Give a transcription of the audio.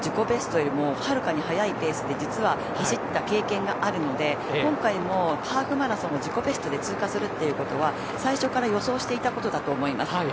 ベストよりもはるかに速いペースで実は走った経験があるので今回もハーフマラソンの自己ベストで通過するということは最初から予想していたことだと思います。